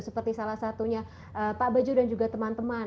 seperti salah satunya pak baju dan juga teman teman